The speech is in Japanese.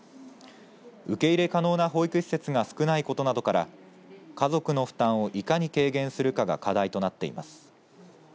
受け入れ可能な保育施設が少ないことなどから家族の負担をいかに軽減するかが課題となっています。